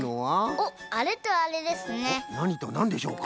おっなにとなんでしょうか？